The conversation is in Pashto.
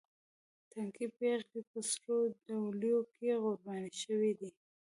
تنکۍ پېغلې په سرو ډولیو کې قرباني شوې دي.